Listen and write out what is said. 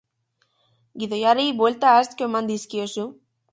Gidoiari buelta asko eman dizkiozu?